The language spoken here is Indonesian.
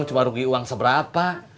cuma rugi uang seberapa